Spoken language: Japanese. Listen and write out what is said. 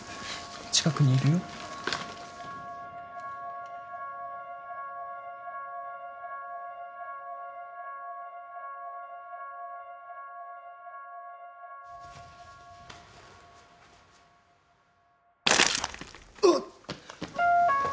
近くにいるよ。うっ！